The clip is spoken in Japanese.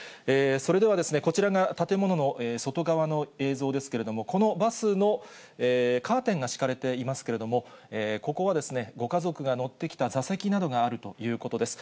それでは、こちらが建物の外側の映像ですけれども、このバスのカーテンがしかれていますけれども、ここはご家族が乗ってきた座席などがあるということです。